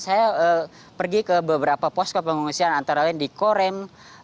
saya pergi ke beberapa posko pengungsian antara lain di korem